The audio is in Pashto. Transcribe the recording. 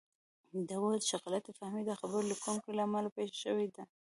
ده وویل چې غلط فهمي د خبر لیکونکو له امله پېښه شوې ده.